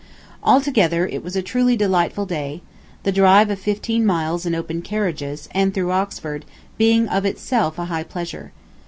Altogether it was a truly delightful day: the drive of fifteen miles in open carriages, and through Oxford, being of itself a high pleasure.